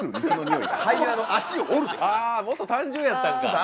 あもっと単純やったんか。